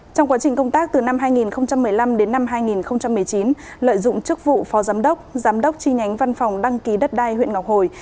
trong quá trình công tác từ năm hai nghìn một mươi năm đến năm hai nghìn một mươi chín lợi dụng chức vụ phó giám đốc giám đốc chi nhánh văn phòng đăng ký đất đai huyện ngọc hồi